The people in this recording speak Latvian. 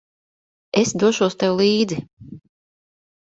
Es došos tev līdzi.